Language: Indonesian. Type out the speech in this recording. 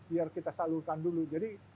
biar kita salurkan dulu jadi